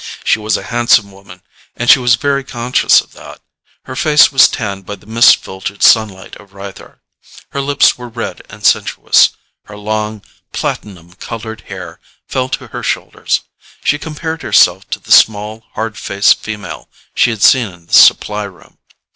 She was a handsome woman, and she was very conscious of that. Her face was tanned by the mist filtered sunlight of Rythar; her lips were red and sensuous; her long, platinum colored hair fell to her shoulders. She compared herself to the small, hard faced female she had seen in the supply room.